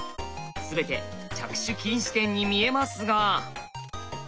全て着手禁止点に見えますが。